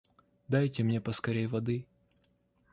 Дайте мне поскорей воды!